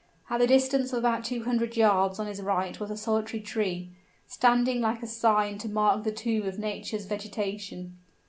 At the distance of about two hundred yards on his right was a solitary tree, standing like a sign to mark the tomb of nature's vegetation.